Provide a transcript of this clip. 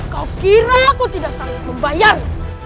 kau kira aku tidak saling membayar